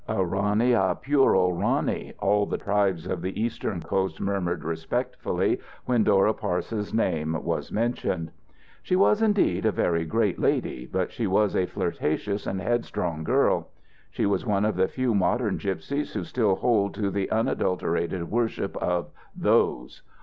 "A rauni, a puro rauni," all the tribes of the eastern coast murmured respectfully, when Dora Parse's name was mentioned. She was, indeed, a very great lady, but she was a flirtatious and headstrong girl. She was one of the few modern gypsies who still hold to the unadulterated worship of "those."